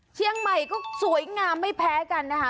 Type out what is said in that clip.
เชียงใหม่ก็สวยงามไม่แพ้กันนะคะ